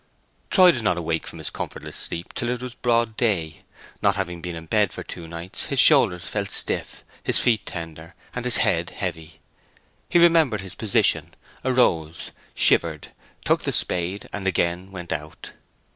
Troy did not awake from his comfortless sleep till it was broad day. Not having been in bed for two nights his shoulders felt stiff, his feet tender, and his head heavy. He remembered his position, arose, shivered, took the spade, and again went out.